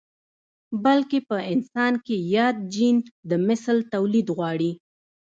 بلکې په انسان کې ياد جېن د مثل توليد غواړي.